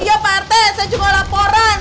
iya pak retek saya juga laporan